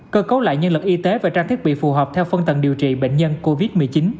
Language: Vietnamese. cơ cấu lại nhân lực y tế và trang thiết bị phù hợp theo phân tầng điều trị bệnh nhân covid một mươi chín